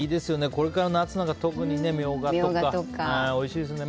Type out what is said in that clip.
これから夏なんか特にミョウガとかおいしいですよね。